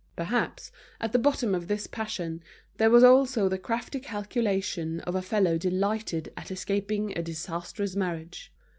Perhaps, at the bottom of this passion, there was also the crafty calculation of a fellow delighted at escaping a disastrous marriage.